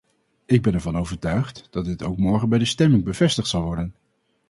Ik ben ervan overtuigd dat dit ook morgen bij de stemming bevestigd zal worden.